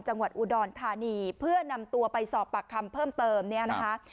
จังหวัดอุดรธานีเพื่อนำตัวไปสอบปากคำเพิ่มเติมเนี่ยนะคะ